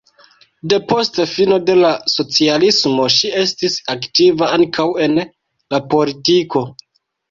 Depost fino de la socialismo ŝi estis aktiva ankaŭ en la politiko.